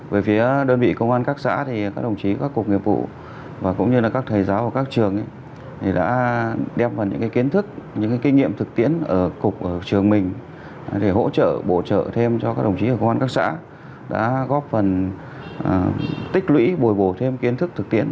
về phía đơn vị công an các xã thì các đồng chí các cục nhiệm vụ và cũng như là các thầy giáo và các trường đã đem phần những kiến thức những kinh nghiệm thực tiễn ở trường mình để hỗ trợ bổ trợ thêm cho các đồng chí công an các xã đã góp phần tích lũy bồi bổ thêm kiến thức thực tiễn